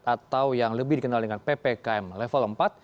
atau yang lebih dikenal dengan ppkm level empat